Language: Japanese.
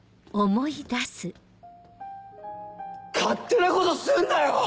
勝手なことすんなよ！